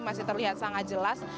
masih terlihat sangat jelas